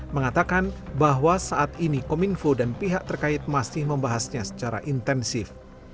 mengatakan bahwa saat ini kominfo dan pihak terkait masih membahasnya secara intensif